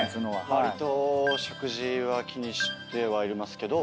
わりと食事は気にしてはいますけど。